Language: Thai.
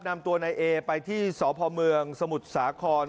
นำตัวในเอไปที่สพมสมุทรสาคร